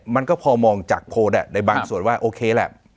มันก็พอมองจากโพลในบางส่วนว่าโอเคแหละ